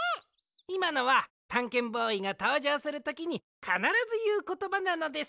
いまのはたんけんボーイがとうじょうするときにかならずいうことばなのです！